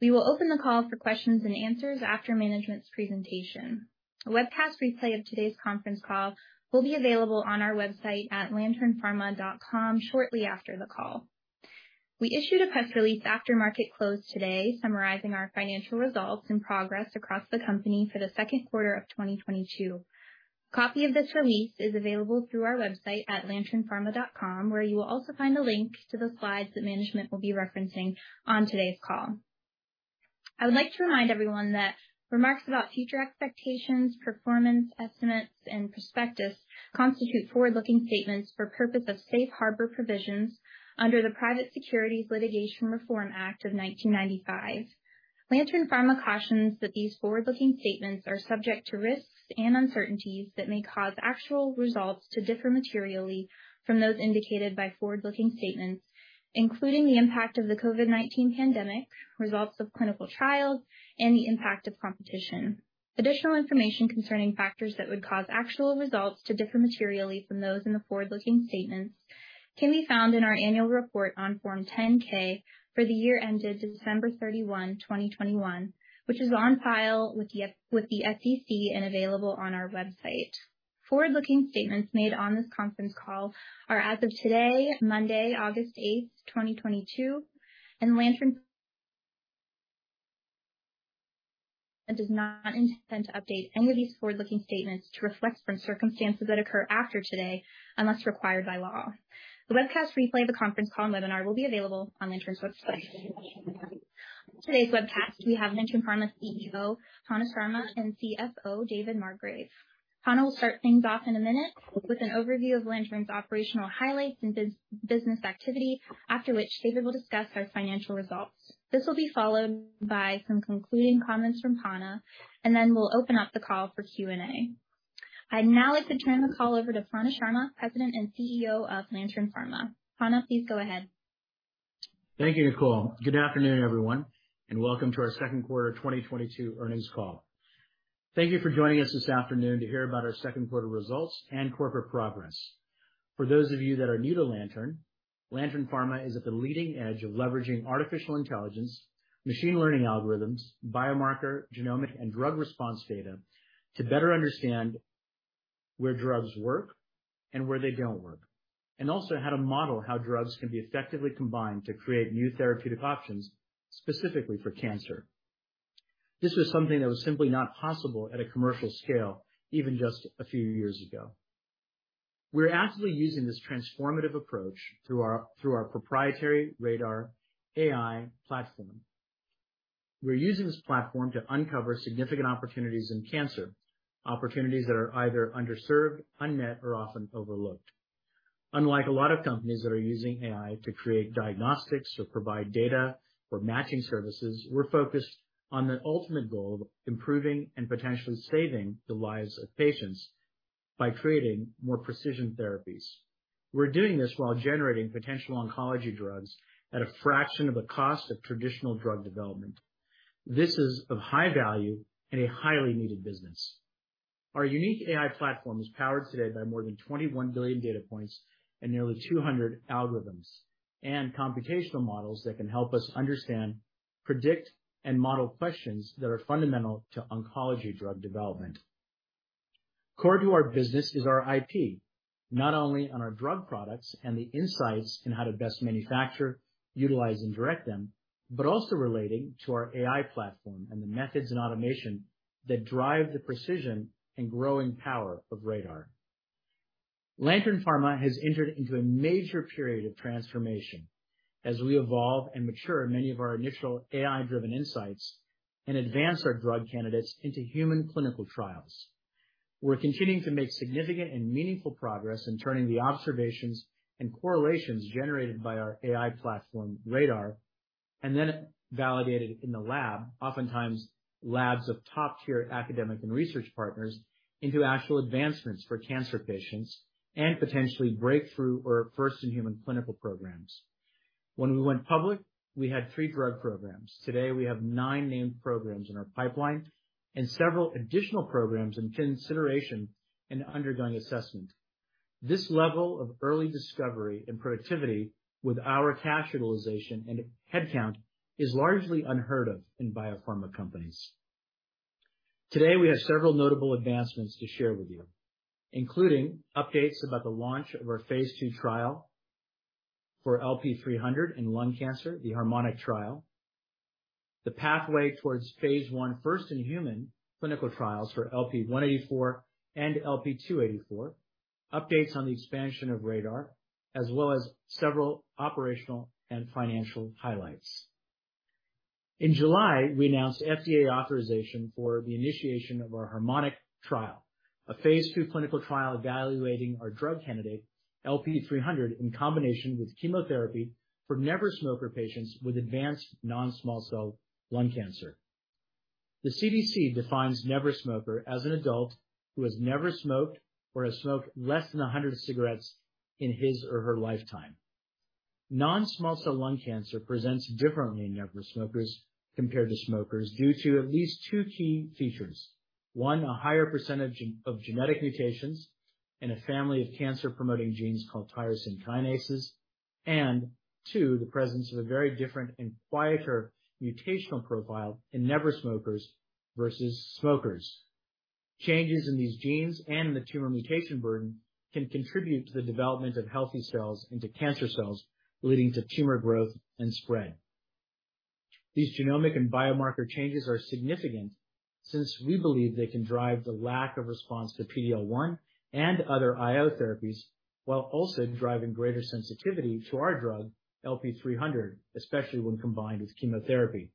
We will open the call for questions and answers after management's presentation. A webcast replay of today's conference call will be available on our website at lanternpharma.com shortly after the call. We issued a press release after market close today summarizing our financial results and progress across the company for the Q2 of 2022. A copy of this release is available through our website at lanternpharma.com, where you will also find a link to the slides that management will be referencing on today's call. I would like to remind everyone that remarks about future expectations, performance estimates, and prospectus constitute forward-looking statements for purpose of safe harbor provisions under the Private Securities Litigation Reform Act of 1995. Lantern Pharma cautions that these forward-looking statements are subject to risks and uncertainties that may cause actual results to differ materially from those indicated by forward-looking statements, including the impact of the COVID-19 pandemic, results of clinical trials, and the impact of competition. Additional information concerning factors that would cause actual results to differ materially from those in the forward-looking statements can be found in our annual report on Form 10-K for the year ended December 31, 2021, which is on file with the SEC and available on our website. Forward-looking statements made on this conference call are as of today, Monday, August 8, 2022, and Lantern does not intend to update any of these forward-looking statements to reflect events or circumstances that occur after today, unless required by law. The webcast replay of the conference call and webinar will be available on Lantern's website. On today's webcast, we have Lantern Pharma's CEO, Panna Sharma, and CFO, David Margrave. Panna will start things off in a minute with an overview of Lantern's operational highlights and business activity, after which David will discuss our financial results. This will be followed by some concluding comments from Panna, and then we'll open up the call for Q&A. I'd now like to turn the call over to Panna Sharma, President and CEO of Lantern Pharma. Panna, please go ahead. Thank you, Nicole. Good afternoon, everyone, and welcome to our Q2 2022 earnings call. Thank you for joining us this afternoon to hear about our Q2 results and corporate progress. For those of you that are new to Lantern Pharma is at the leading edge of leveraging artificial intelligence, machine learning algorithms, biomarker, genomic, and drug response data to better understand where drugs work and where they don't work, and also how to model how drugs can be effectively combined to create new therapeutic options, specifically for cancer. This was something that was simply not possible at a commercial scale even just a few years ago. We're actively using this transformative approach through our proprietary RADR AI platform. We're using this platform to uncover significant opportunities in cancer, opportunities that are either underserved, unmet, or often overlooked. Unlike a lot of companies that are using AI to create diagnostics or provide data or matching services, we're focused on the ultimate goal of improving and potentially saving the lives of patients by creating more precision therapies. We're doing this while generating potential oncology drugs at a fraction of the cost of traditional drug development. This is of high value and a highly needed business. Our unique AI platform is powered today by more than 21 billion data points and nearly 200 algorithms and computational models that can help us understand, predict, and model questions that are fundamental to oncology drug development. Core to our business is our IP, not only on our drug products and the insights in how to best manufacture, utilize, and direct them, but also relating to our AI platform and the methods and automation that drive the precision and growing power of RADR. Lantern Pharma has entered into a major period of transformation as we evolve and mature many of our initial AI-driven insights and advance our drug candidates into human clinical trials. We're continuing to make significant and meaningful progress in turning the observations and correlations generated by our AI platform, RADR, and then validated in the lab, oftentimes labs of top-tier academic and research partners, into actual advancements for cancer patients and potentially breakthrough or first-in-human clinical programs. When we went public, we had 3 drug programs. Today, we have 9 named programs in our pipeline and several additional programs in consideration and undergoing assessment. This level of early discovery and productivity with our cash utilization and headcount is largely unheard of in biopharma companies. Today, we have several notable advancements to share with you, including updates about the launch of our phase 2 trial for LP300 in lung cancer, the HARMONIC trial, the pathway towards phase 1 first-in-human clinical trials for LP184 and LP284, updates on the expansion of RADR, as well as several operational and financial highlights. In July, we announced FDA authorization for the initiation of our HARMONIC trial, a phase 2 clinical trial evaluating our drug candidate LP300 in combination with chemotherapy for never smoker patients with advanced non-small cell lung cancer. The CDC defines never smoker as an adult who has never smoked or has smoked less than 100 cigarettes in his or her lifetime. Non-small cell lung cancer presents differently in never smokers compared to smokers due to at least 2 key features. One, a higher percentage of genetic mutations in a family of cancer-promoting genes called tyrosine kinases, and two, the presence of a very different and quieter mutational profile in never smokers versus smokers. Changes in these genes and the tumor mutation burden can contribute to the development of healthy cells into cancer cells, leading to tumor growth and spread. These genomic and biomarker changes are significant since we believe they can drive the lack of response to PD-L1 and other IO therapies while also driving greater sensitivity to our drug, LP-300, especially when combined with chemotherapy.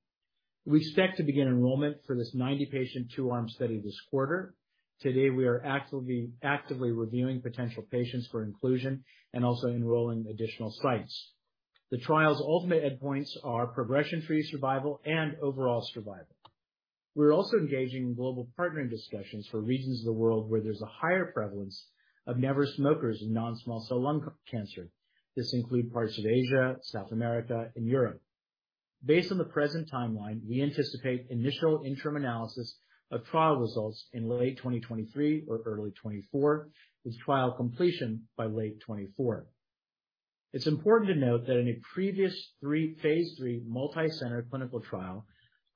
We expect to begin enrollment for this 90-patient, 2-arm study this quarter. Today, we are actively reviewing potential patients for inclusion and also enrolling additional sites. The trial's ultimate endpoints are progression-free survival and overall survival. We're also engaging in global partnering discussions for regions of the world where there's a higher prevalence of never smokers in non-small cell lung cancer. This includes parts of Asia, South America, and Europe. Based on the present timeline, we anticipate initial interim analysis of trial results in late 2023 or early 2024, with trial completion by late 2024. It's important to note that in a previous phase 3 multi-center clinical trial,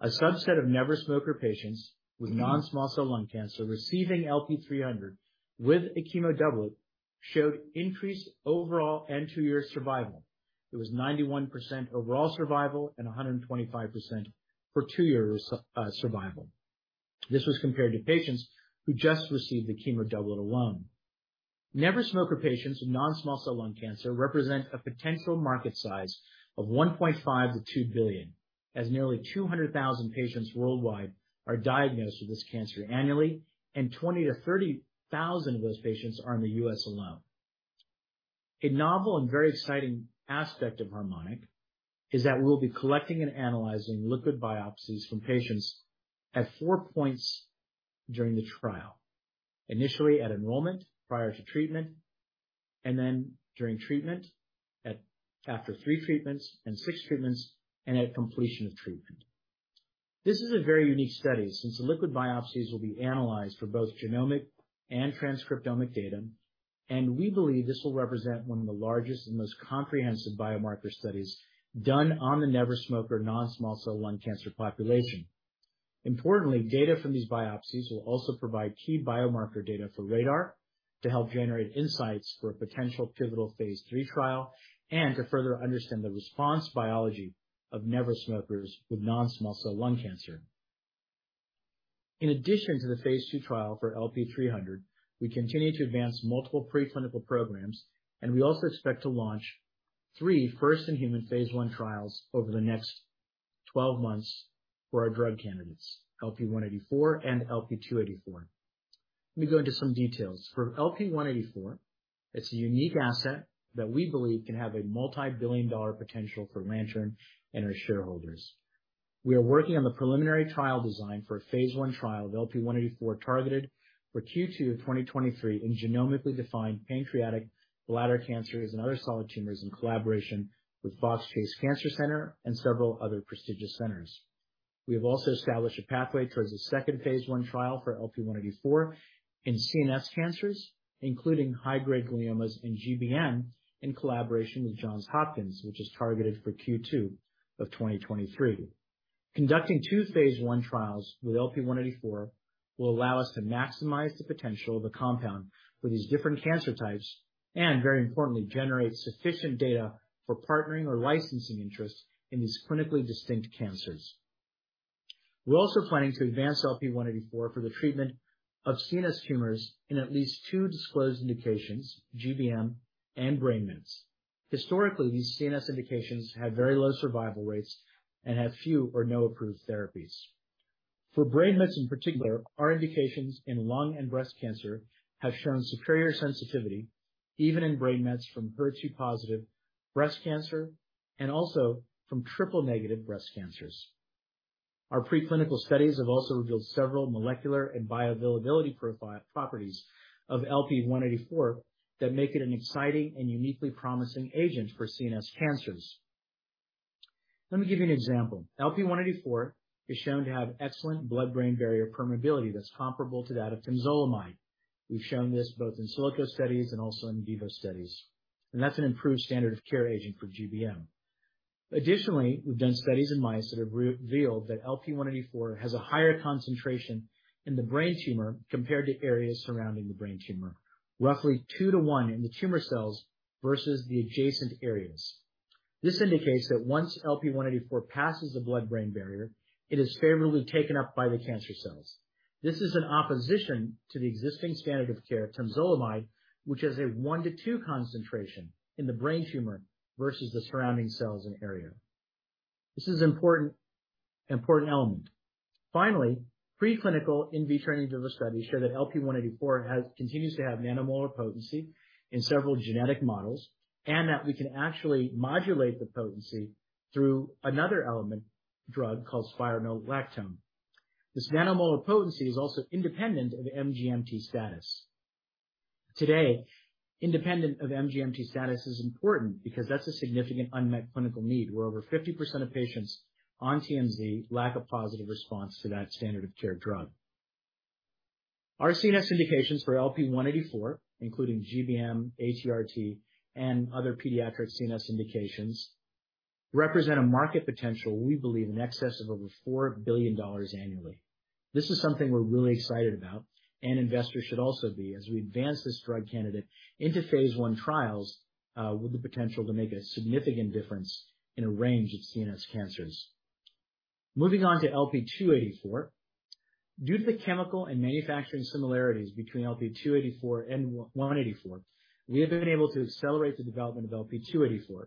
a subset of never smoker patients with non-small cell lung cancer receiving LP300 with a chemo doublet showed increased overall and 2-year survival. It was 91% overall survival and 125% for 2 years, survival. This was compared to patients who just received the chemo doublet alone. Never smoker patients with non-small cell lung cancer represent a potential market size of $1.5 billion-$2 billion, as nearly 200,000 patients worldwide are diagnosed with this cancer annually, and 20,000-30,000 of those patients are in the U.S. alone. A novel and very exciting aspect of HARMONIC is that we'll be collecting and analyzing liquid biopsies from patients at 4 points during the trial. Initially at enrollment, prior to treatment, and then during treatment, after 3 treatments and 6 treatments, and at completion of treatment. This is a very unique study since the liquid biopsies will be analyzed for both genomic and transcriptomic data, and we believe this will represent one of the largest and most comprehensive biomarker studies done on the never smoker non-small cell lung cancer population. Importantly, data from these biopsies will also provide key biomarker data for RADR to help generate insights for a potential pivotal phase 3 trial and to further understand the response biology of never smokers with non-small cell lung cancer. In addition to the phase 2 trial for LP300, we continue to advance multiple preclinical programs, and we also expect to launch 3 first-in-human phase 1 trials over the next 12 months for our drug candidates, LP184 and LP284. Let me go into some details. For LP184, it's a unique asset that we believe can have a multi-billion-dollar potential for Lantern and our shareholders. We are working on the preliminary trial design for a phase 1 trial of LP184 targeted for Q2 of 2023 in genomically defined pancreatic, bladder cancers and other solid tumors in collaboration with Fox Chase Cancer Center and several other prestigious centers. We have also established a pathway towards a second phase 1 trial for LP184 in CNS cancers, including high-grade gliomas and GBM, in collaboration with Johns Hopkins, which is targeted for Q2 of 2023. Conducting 2 phase 1 trials with LP184 will allow us to maximize the potential of the compound for these different cancer types and, very importantly, generate sufficient data for partnering or licensing interest in these clinically distinct cancers. We're also planning to advance LP184 for the treatment of CNS tumors in at least 2 disclosed indications, GBM and brain mets. Historically, these CNS indications have very low survival rates and have few or no approved therapies. For brain mets, in particular, our indications in lung and breast cancer have shown superior sensitivity, even in brain mets from HER2 positive breast cancer and also from triple-negative breast cancers. Our preclinical studies have also revealed several molecular and bioavailability properties of LP184 that make it an exciting and uniquely promising agent for CNS cancers. Let me give you an example. LP184 is shown to have excellent blood-brain barrier permeability that's comparable to that of temozolomide. We've shown this both in silico studies and also in vivo studies, and that's an improved standard of care agent for GBM. Additionally, we've done studies in mice that have revealed that LP184 has a higher concentration in the brain tumor compared to areas surrounding the brain tumor, roughly 2 to 1 in the tumor cells versus the adjacent areas. This indicates that once LP184 passes the blood-brain barrier, it is favorably taken up by the cancer cells. This is in opposition to the existing standard of care, temozolomide, which has a 1-2 concentration in the brain tumor versus the surrounding cells and area. This is an important element. Finally, preclinical in vitro and in vivo studies show that LP-184 continues to have nanomolar potency in several genetic models and that we can actually modulate the potency through another element, drug called spironolactone. This nanomolar potency is also independent of MGMT status. Independent of MGMT status is important because that's a significant unmet clinical need, where over 50% of patients on TMZ lack a positive response to that standard of care drug. Our CNS indications for LP-184, including GBM, ATRT, and other pediatric CNS indications, represent a market potential, we believe, in excess of over $4 billion annually. This is something we're really excited about, and investors should also be, as we advance this drug candidate into phase 1 trials with the potential to make a significant difference in a range of CNS cancers. Moving on to LP-284. Due to the chemical and manufacturing similarities between LP-284 and LP-184, we have been able to accelerate the development of LP-284.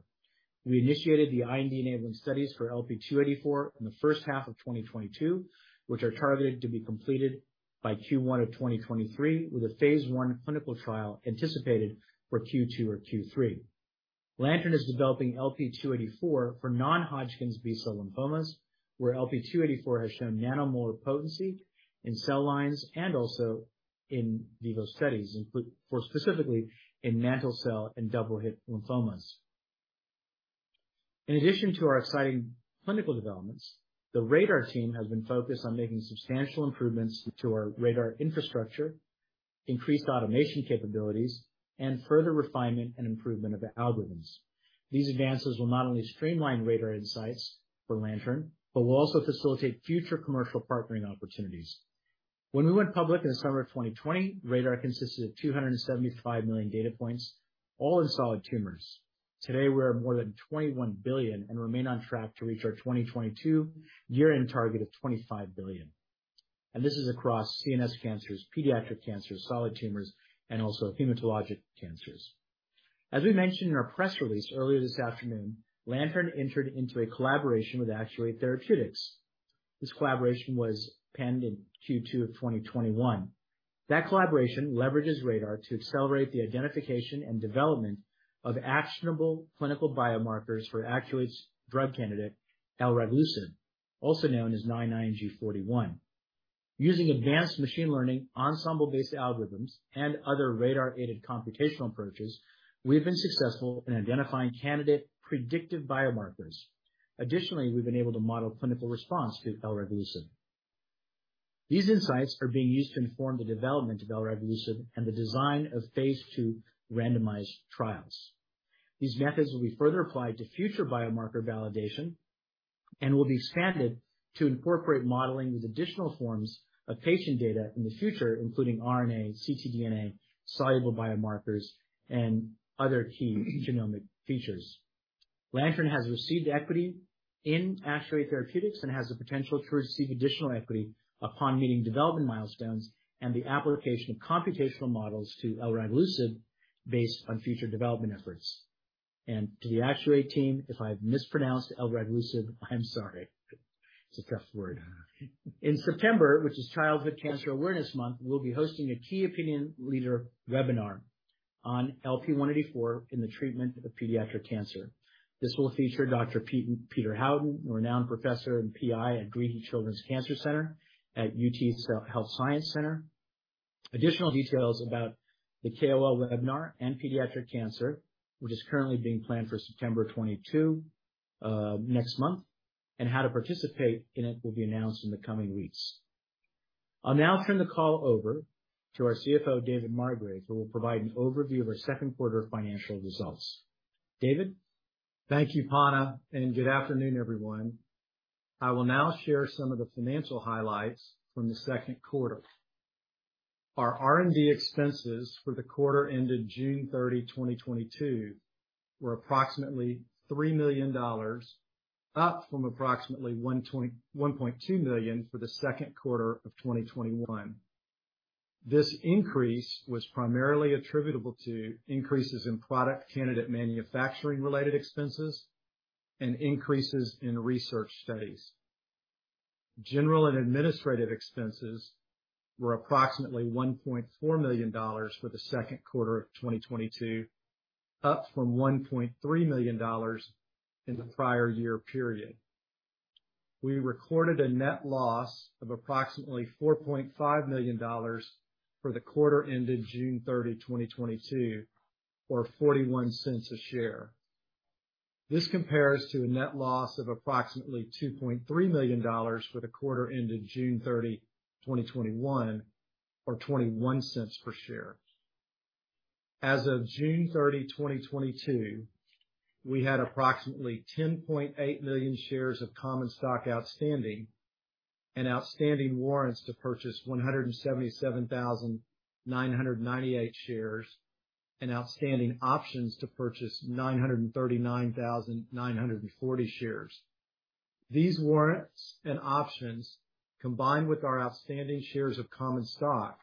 We initiated the IND-enabling studies for LP-284 in the H1 of 2022, which are targeted to be completed by Q1 of 2023, with a phase 1 clinical trial anticipated for Q2 or Q3. Lantern is developing LP-284 for non-Hodgkin's B-cell lymphomas, where LP-284 has shown nanomolar potency in cell lines and also in vivo studies, for specifically in mantle cell and double-hit lymphomas. In addition to our exciting clinical developments, the RADR team has been focused on making substantial improvements to our RADR infrastructure, increased automation capabilities, and further refinement and improvement of the algorithms. These advances will not only streamline RADR insights for Lantern, but will also facilitate future commercial partnering opportunities. When we went public in the summer of 2020, RADR consisted of 275 million data points, all in solid tumors. Today, we're at more than 21 billion and remain on track to reach our 2022 year-end target of 25 billion, and this is across CNS cancers, pediatric cancers, solid tumors, and also hematologic cancers. As we mentioned in our press release earlier this afternoon, Lantern entered into a collaboration with Actuate Therapeutics. This collaboration was penned in Q2 of 2021. That collaboration leverages RADR to accelerate the identification and development of actionable clinical biomarkers for Actuate's drug candidate, Elraglusib, also known as 9-ING-41. Using advanced machine learning, ensemble-based algorithms, and other RADR-aided computational approaches, we've been successful in identifying candidate predictive biomarkers. Additionally, we've been able to model clinical response to Elraglusib. These insights are being used to inform the development of Elraglusib and the design of phase 2 randomized trials. These methods will be further applied to future biomarker validation and will be expanded to incorporate modeling with additional forms of patient data in the future, including RNA, ctDNA, soluble biomarkers, and other key genomic features. Lantern has received equity in Actuate Therapeutics and has the potential to receive additional equity upon meeting development milestones and the application of computational models to Elraglusib based on future development efforts. To the Actuate team, if I've mispronounced Elraglusib, I am sorry. It's a tough word. In September, which is Childhood Cancer Awareness Month, we'll be hosting a key opinion leader webinar on LP-184 in the treatment of pediatric cancer. This will feature Dr. Peter Houghton, renowned professor and PI at Greehey Children's Cancer Research Institute at University of Texas Health Science Center at San Antonio. Additional details about the KOL webinar and pediatric cancer, which is currently being planned for September 22, next month, and how to participate in it will be announced in the coming weeks. I'll now turn the call over to our CFO, David Margrave, who will provide an overview of our Q2 financial results. David? Thank you, Panna, and good afternoon, everyone. I will now share some of the financial highlights from the Q2. Our R&D expenses for the quarter ended June 30, 2022, were approximately $3 million, up from approximately $1.2 million for the Q2 of 2021. This increase was primarily attributable to increases in product candidate manufacturing related expenses and increases in research studies. General and administrative expenses were approximately $1.4 million for the Q2 of 2022, up from $1.3 million in the prior year period. We recorded a net loss of approximately $4.5 million for the quarter ended June 30, 2022, or $0.41 per share. This compares to a net loss of approximately $2.3 million for the quarter ended June 30, 2021, or $0.21 per share. As of June 30, 2022, we had approximately 10.8 million shares of common stock outstanding and outstanding warrants to purchase 177,998 shares, and outstanding options to purchase 939,940 shares. These warrants and options, combined with our outstanding shares of common stock,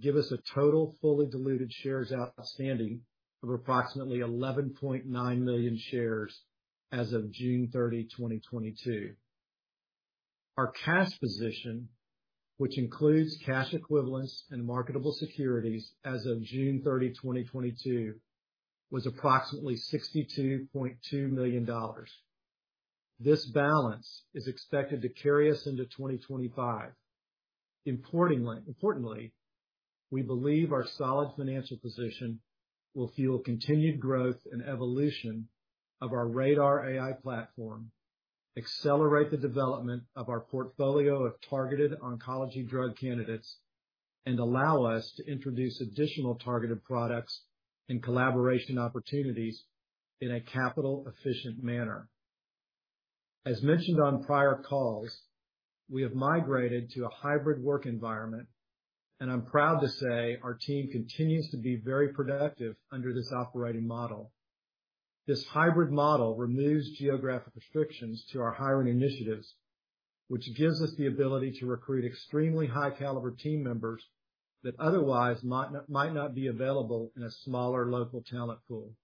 give us a total fully diluted shares outstanding of approximately 11.9 million shares as of June 30, 2022. Our cash position, which includes cash equivalents and marketable securities as of June 30, 2022, was approximately $62.2 million. This balance is expected to carry us into 2025. Importantly, we believe our solid financial position will fuel continued growth and evolution of our RADR AI platform, accelerate the development of our portfolio of targeted oncology drug candidates, and allow us to introduce additional targeted products and collaboration opportunities in a capital efficient manner. As mentioned on prior calls, we have migrated to a hybrid work environment, and I'm proud to say our team continues to be very productive under this operating model. This hybrid model removes geographic restrictions to our hiring initiatives, which gives us the ability to recruit extremely high caliber team members that otherwise might not be available in a smaller local talent pool.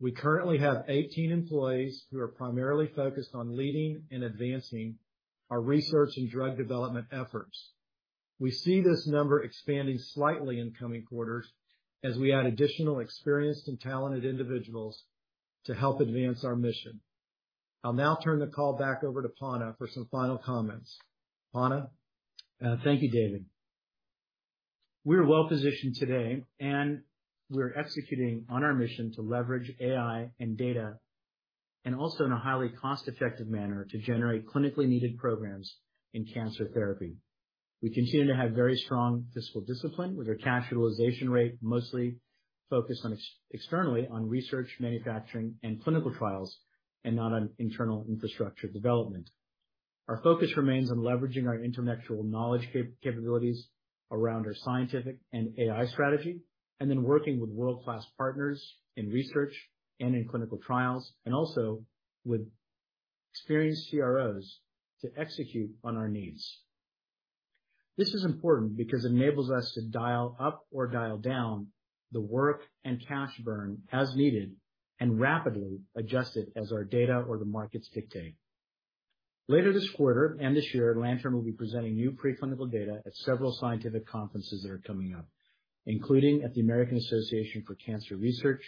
We currently have 18 employees who are primarily focused on leading and advancing our research and drug development efforts. We see this number expanding slightly in coming quarters as we add additional experienced and talented individuals to help advance our mission. I'll now turn the call back over to Panna for some final comments. Panna? Thank you, David. We are well positioned today, and we are executing on our mission to leverage AI and data, and also in a highly cost-effective manner to generate clinically needed programs in cancer therapy. We continue to have very strong fiscal discipline with our capitalization rate mostly focused on externally on research, manufacturing and clinical trials and not on internal infrastructure development. Our focus remains on leveraging our intellectual knowledge capabilities around our scientific and AI strategy, and then working with world-class partners in research and in clinical trials, and also with experienced CROs to execute on our needs. This is important because it enables us to dial up or dial down the work and cash burn as needed and rapidly adjust it as our data or the markets dictate. Later this quarter and this year, Lantern will be presenting new preclinical data at several scientific conferences that are coming up, including at the American Association for Cancer Research.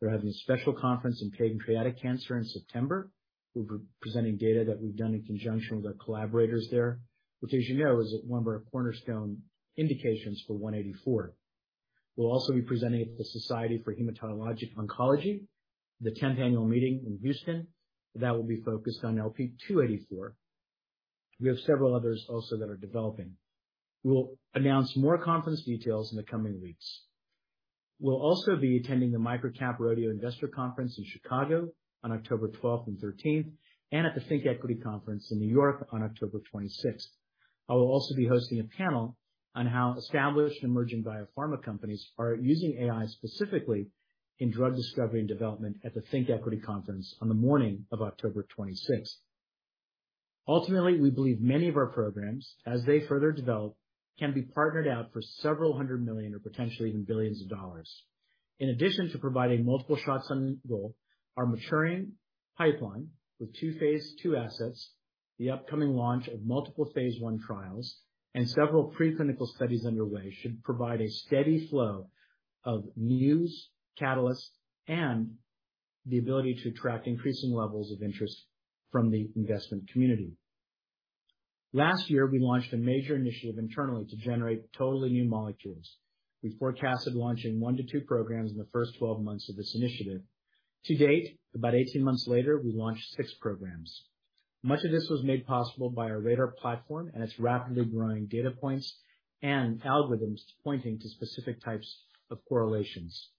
They're having a special conference in pancreatic cancer in September. We'll be presenting data that we've done in conjunction with our collaborators there, which as you know, is one of our cornerstone indications for LP-184. We'll also be presenting at the Society of Hematologic Oncology, the 10th annual meeting in Houston that will be focused on LP-284. We have several others also that are developing. We will announce more conference details in the coming weeks. We'll also be attending the MicroCap Rodeo Investor Conference in Chicago on October 12th and 13th, and at the ThinkEquity Conference in New York on October 26th. I will also be hosting a panel on how established and emerging biopharma companies are using AI specifically in drug discovery and development at the ThinkEquity Conference on the morning of October 26th. Ultimately, we believe many of our programs, as they further develop, can be partnered out for $several hundred million or potentially even $billions. In addition to providing multiple shots on goal, our maturing pipeline with 2 phase 2 assets, the upcoming launch of multiple phase 1 trials and several preclinical studies underway, should provide a steady flow of news, catalysts, and the ability to attract increasing levels of interest from the investment community. Last year, we launched a major initiative internally to generate totally new molecules. We forecasted launching 1-2 programs in the first 12 months of this initiative. To date, about 18 months later, we launched 6 programs. Much of this was made possible by our RADR platform and its rapidly growing data points and algorithms pointing to specific types of correlations.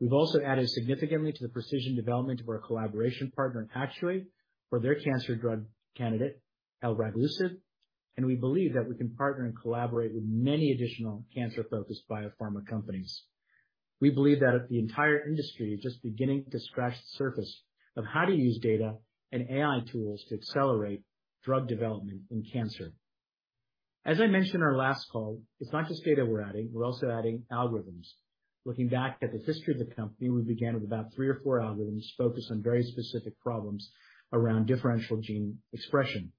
We've also added significantly to the precision development of our collaboration partner, Actuate Therapeutics, for their cancer drug candidate, Elraglusib. We believe that we can partner and collaborate with many additional cancer-focused biopharma companies. We believe that the entire industry is just beginning to scratch the surface of how to use data and AI tools to accelerate drug development in cancer. As I mentioned in our last call, it's not just data we're adding, we're also adding algorithms. Looking back at the history of the company, we began with about 3 or 4 algorithms focused on very specific problems around differential gene expression.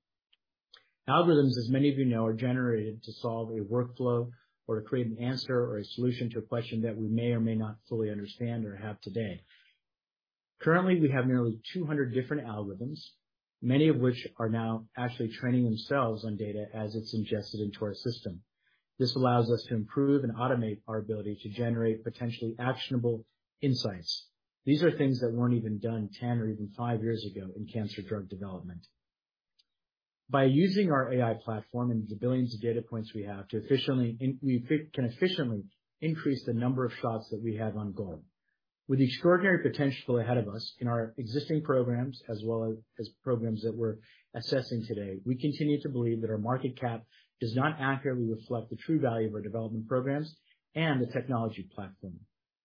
Algorithms, as many of you know, are generated to solve a workflow or to create an answer or a solution to a question that we may or may not fully understand or have today. Currently, we have nearly 200 different algorithms, many of which are now actually training themselves on data as it's ingested into our system. This allows us to improve and automate our ability to generate potentially actionable insights. These are things that weren't even done 10 or even 5 years ago in cancer drug development. By using our AI platform and the billions of data points we have, we can efficiently increase the number of shots that we have on goal. With extraordinary potential ahead of us in our existing programs as well as programs that we're assessing today, we continue to believe that our market cap does not accurately reflect the true value of our development programs and the technology platform.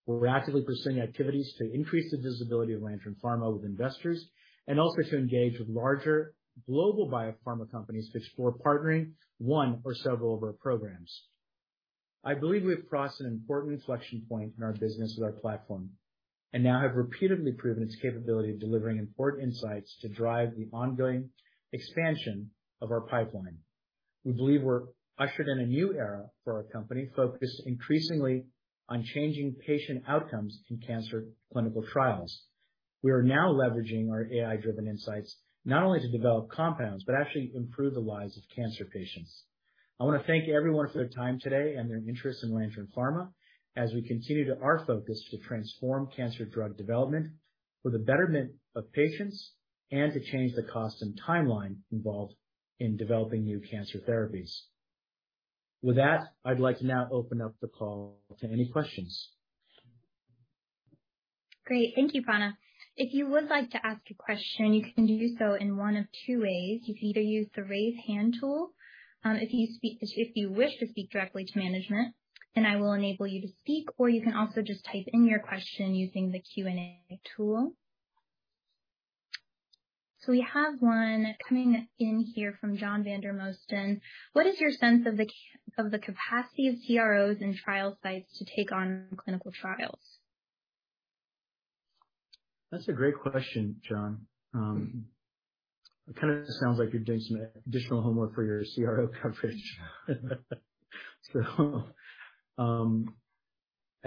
We're actively pursuing activities to increase the visibility of Lantern Pharma with investors and also to engage with larger global biopharma companies to explore partnering one or several of our programs. I believe we have crossed an important inflection point in our business with our platform and now have repeatedly proven its capability of delivering important insights to drive the ongoing expansion of our pipeline. We believe we're ushered in a new era for our company, focused increasingly on changing patient outcomes in cancer clinical trials. We are now leveraging our AI-driven insights not only to develop compounds but actually improve the lives of cancer patients. I wanna thank everyone for their time today and their interest in Lantern Pharma as we continue with our focus to transform cancer drug development for the betterment of patients and to change the cost and timeline involved in developing new cancer therapies. With that, I'd like to now open up the call to any questions. Great. Thank you, Panna. If you would like to ask a question, you can do so in one of 2 ways. You can either use the Raise Hand tool, if you wish to speak directly to management, and I will enable you to speak, or you can also just type in your question using the Q&A tool. We have one coming in here from John Vandermosten. What is your sense of the capacity of CROs and trial sites to take on clinical trials? That's a great question, John. It kinda sounds like you're doing some additional homework for your CRO coverage. As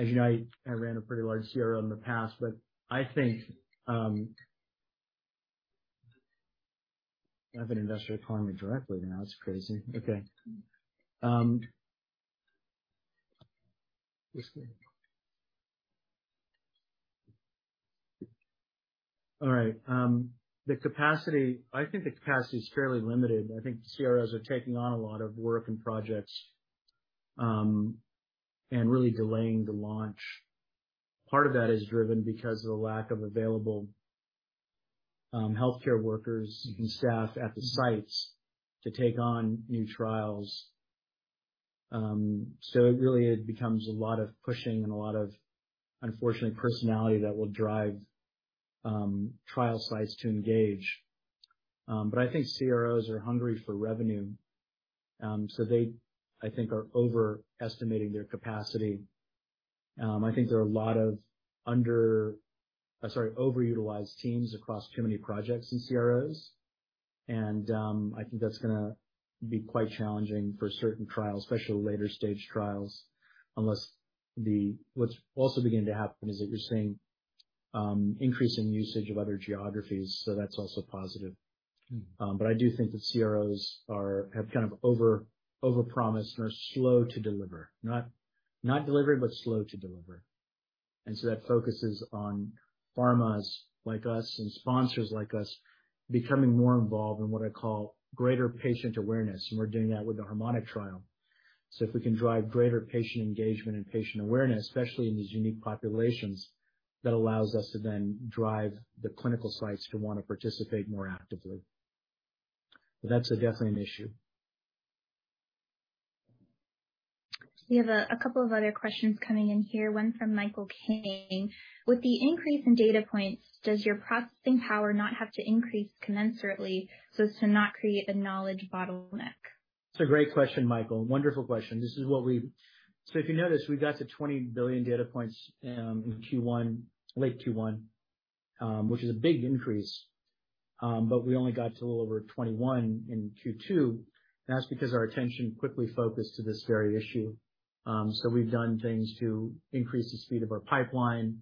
you know, I ran a pretty large CRO in the past, but I think I have an investor calling me directly now. It's crazy. I think the capacity is fairly limited. I think CROs are taking on a lot of work and projects and really delaying the launch. Part of that is driven because of the lack of available healthcare workers and staff at the sites to take on new trials. It really becomes a lot of pushing and a lot of, unfortunately, personality that will drive trial sites to engage. But I think CROs are hungry for revenue. They, I think, are overestimating their capacity. I think there are a lot of overutilized teams across too many projects in CROs, and I think that's gonna be quite challenging for certain trials, especially later stage trials. What's also beginning to happen is that you're seeing increase in usage of other geographies, so that's also positive. I do think the CROs have kind of overpromised and are slow to deliver. Not deliver, but slow to deliver. That focuses on pharmas like us and sponsors like us becoming more involved in what I call greater patient awareness, and we're doing that with the HARMONIC trial. If we can drive greater patient engagement and patient awareness, especially in these unique populations, that allows us to then drive the clinical sites to wanna participate more actively. That's definitely an issue. We have a couple of other questions coming in here, one from Michael Kane. With the increase in data points, does your processing power not have to increase commensurately so as to not create a knowledge bottleneck? That's a great question, Michael. Wonderful question. If you notice, we got to 20 billion data points in Q1, late Q1, which is a big increase, but we only got to a little over 21 in Q2, and that's because our attention quickly focused to this very issue. We've done things to increase the speed of our pipeline,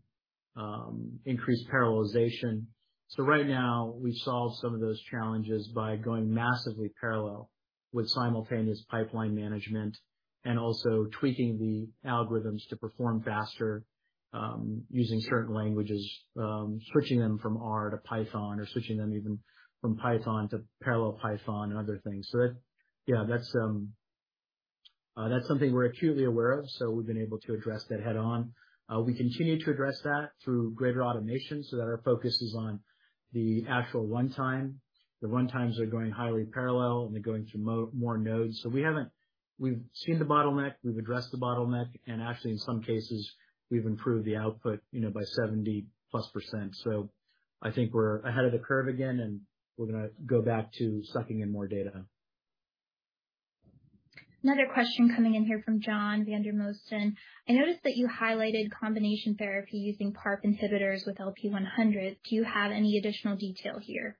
increase parallelization. Right now, we solve some of those challenges by going massively parallel with simultaneous pipeline management and also tweaking the algorithms to perform faster, using certain languages, switching them from R to Python or switching them even from Python to parallel Python and other things. That, yeah, that's something we're acutely aware of, so we've been able to address that head on. We continue to address that through greater automation so that our focus is on the actual one time. The one times are going highly parallel, and they're going through more nodes. We've seen the bottleneck, we've addressed the bottleneck, and actually, in some cases, we've improved the output, you know, by 70%+. I think we're ahead of the curve again, and we're gonna go back to sucking in more data. Another question coming in here from John Vandermosten. I noticed that you highlighted combination therapy using PARP inhibitors with LP-100. Do you have any additional detail here?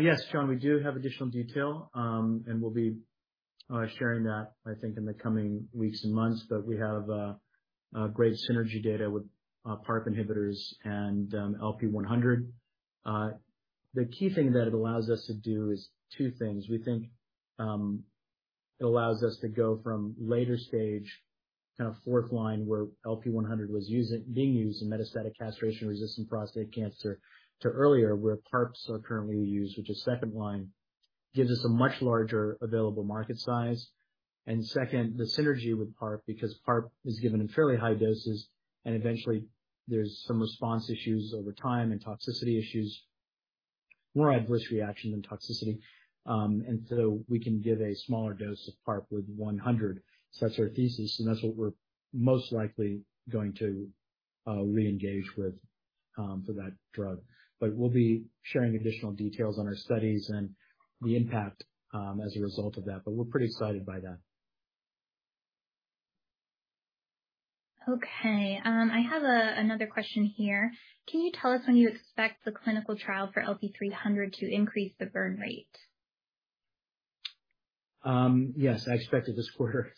Yes, John, we do have additional detail, and we'll be sharing that, I think, in the coming weeks and months. We have great synergy data with PARP inhibitors and LP-100. The key thing that it allows us to do is 2 things. We think it allows us to go from later stage, kind of fourth line, where LP-100 was being used in metastatic castration-resistant prostate cancer, to earlier, where PARPs are currently used, which is second line, gives us a much larger available market size. Second, the synergy with PARP, because PARP is given in fairly high doses, and eventually there's some response issues over time and toxicity issues, more adverse reaction than toxicity. We can give a smaller dose of PARP with 100. That's our thesis, and that's what we're most likely going to reengage with for that drug. We'll be sharing additional details on our studies and the impact as a result of that, but we're pretty excited by that. Okay. I have another question here. Can you tell us when you expect the clinical trial for LP-300 to increase the burn rate? Yes, I expect it this quarter.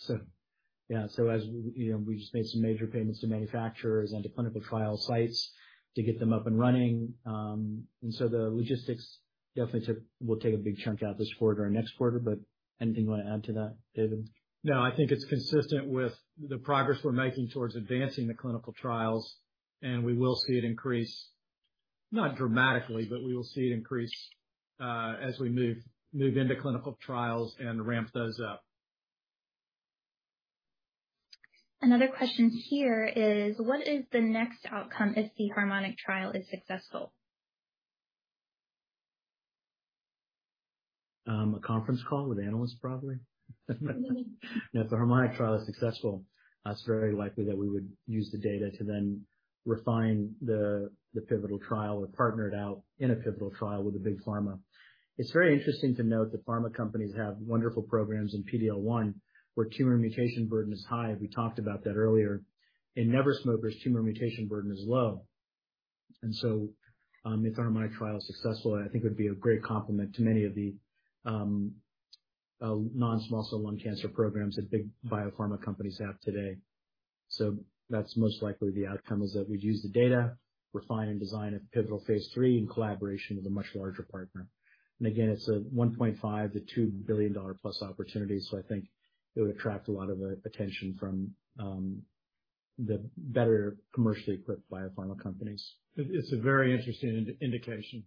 Yeah. As you know, we just made some major payments to manufacturers and to clinical trial sites to get them up and running. The logistics definitely will take a big chunk out of this quarter or next quarter, but anything you wanna add to that, David? No, I think it's consistent with the progress we're making towards advancing the clinical trials, and we will see it increase, not dramatically, but we will see it increase, as we move into clinical trials and ramp those up. Another question here is what is the next outcome if the HARMONIC trial is successful? A conference call with analysts, probably. No, if the HARMONIC trial is successful, it's very likely that we would use the data to then refine the pivotal trial or partner it out in a pivotal trial with a big pharma. It's very interesting to note that pharma companies have wonderful programs in PD-L1, where tumor mutation burden is high. We talked about that earlier. In never smokers, tumor mutation burden is low. If our HARMONIC trial is successful, I think it would be a great complement to many of the non-small cell lung cancer programs that big biopharma companies have today. That's most likely the outcome, is that we use the data, refine and design a pivotal phase 3 in collaboration with a much larger partner. Again, it's a $1.5 billion-$2 billion-plus opportunity, so I think it would attract a lot of attention from the better commercially equipped biopharma companies. It's a very interesting indication.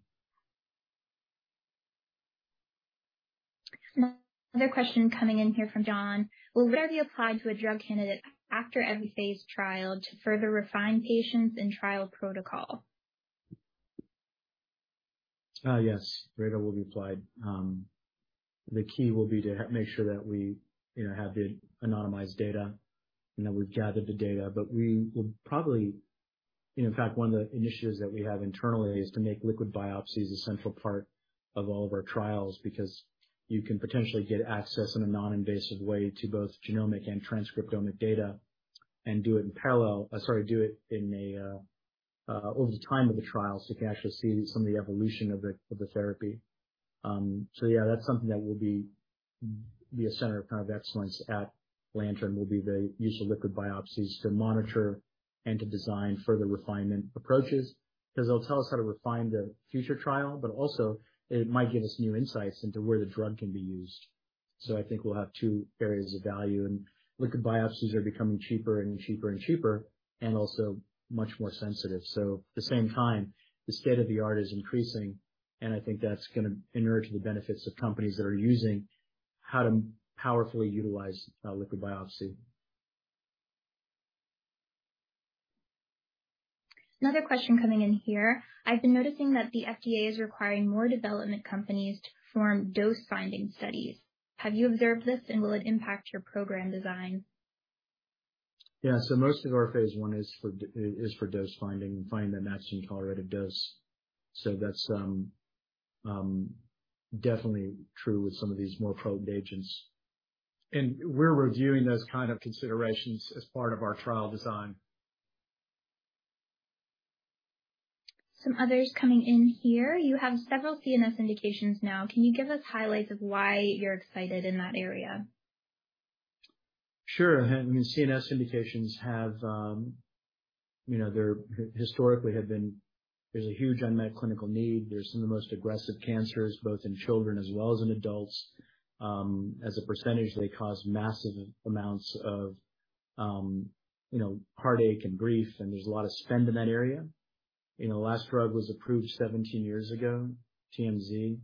Another question coming in here from John. Will RADR be applied to a drug candidate after every phase trial to further refine patients and trial protocol? Yes, RADR will be applied. The key will be to make sure that we, you know, have the anonymized data and that we've gathered the data. We will probably. In fact, one of the initiatives that we have internally is to make liquid biopsies a central part of all of our trials, because you can potentially get access in a non-invasive way to both genomic and transcriptomic data and do it in parallel. Sorry, do it over the time of the trial, so you can actually see some of the evolution of the therapy. Yeah, that's something that will be a center of excellence at Lantern, the use of liquid biopsies to monitor and to design further refinement approaches. Cause it'll tell us how to refine the future trial, but also it might give us new insights into where the drug can be used. I think we'll have 2 areas of value. Liquid biopsies are becoming cheaper and cheaper and cheaper, and also much more sensitive. At the same time, the state-of-the-art is increasing, and I think that's gonna inure to the benefits of companies that are using how to powerfully utilize liquid biopsy. Another question coming in here. I've been noticing that the FDA is requiring more development companies to perform dose-finding studies. Have you observed this, and will it impact your program design? Yeah. Most of our phase 1 is for dose finding, find the maximum tolerated dose. That's definitely true with some of these more potent agents. We're reviewing those kind of considerations as part of our trial design. Some others coming in here. You have several CNS indications now. Can you give us highlights of why you're excited in that area? Sure. I mean, CNS indications have, you know, historically have been. There's a huge unmet clinical need. They're some of the most aggressive cancers, both in children as well as in adults. As a percentage, they cause massive amounts of, you know, heartache and grief, and there's a lot of spend in that area. You know, last drug was approved 17 years ago, TMZ.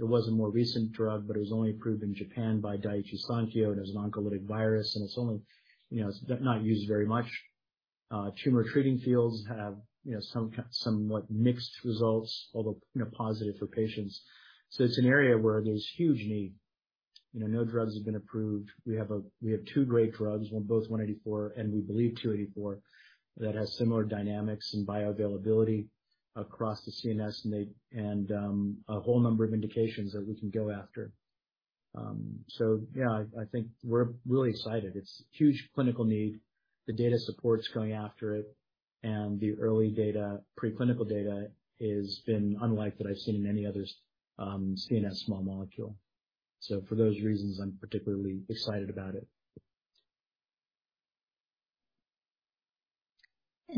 There was a more recent drug, but it was only approved in Japan by Daiichi Sankyo, and it was an oncolytic virus, and it's only, you know, it's not used very much. Tumor Treating Fields have, you know, somewhat mixed results, although, you know, positive for patients. It's an area where there's huge need. You know, no drugs have been approved. We have 2 great drugs, both LP-184 and we believe LP-284. That has similar dynamics and bioavailability across the CNS, and a whole number of indications that we can go after. Yeah, I think we're really excited. It's huge clinical need. The data supports going after it, and the early data, pre-clinical data, has been unlike that I've seen in any other, CNS small molecule. For those reasons, I'm particularly excited about it.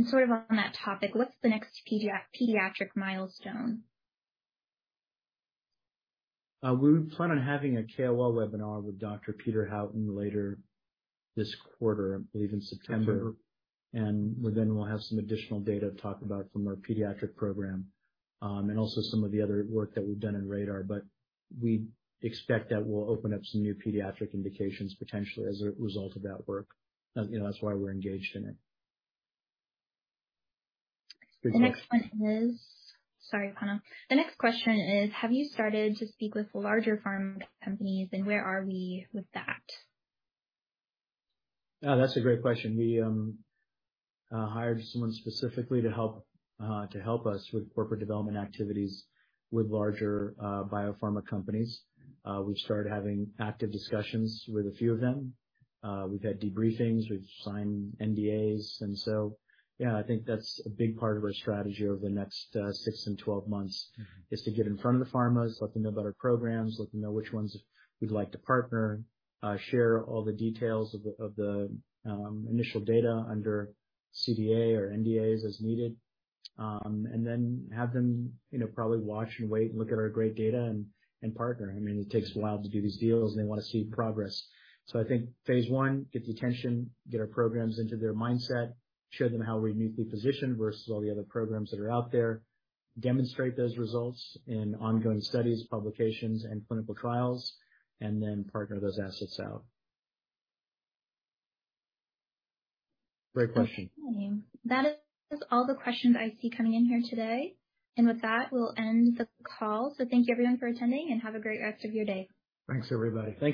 Sort of on that topic, what's the next pediatric milestone? We would plan on having a KOL webinar with Dr. Peter Houghton later this quarter, I believe in September. September. We'll have some additional data to talk about from our pediatric program, and also some of the other work that we've done in RADR. We expect that we'll open up some new pediatric indications potentially as a result of that work. You know, that's why we're engaged in it. The next- Sorry, Connor. The next question is, have you started to speak with larger pharma companies, and where are we with that? Yeah, that's a great question. We hired someone specifically to help us with corporate development activities with larger biopharma companies. We've started having active discussions with a few of them. We've had debriefings. We've signed NDAs. Yeah, I think that's a big part of our strategy over the next 6 and 12 months is to get in front of the pharmas, let them know about our programs, let them know which ones we'd like to partner, share all the details of the initial data under CDA or NDAs as needed, and then have them, you know, probably watch and wait and look at our great data and partner. I mean, it takes a while to do these deals. They wanna see progress. I think phase one, get the attention, get our programs into their mindset, show them how we're uniquely positioned versus all the other programs that are out there, demonstrate those results in ongoing studies, publications, and clinical trials, and then partner those assets out. Great question. Okay. That is all the questions I see coming in here today. With that, we'll end the call. Thank you everyone for attending, and have a great rest of your day. Thanks, everybody. Thank you.